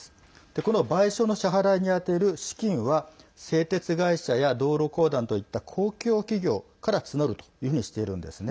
この賠償の支払いに充てる資金は製鉄会社や道路公団といった公共企業から募るというふうにしているんですね。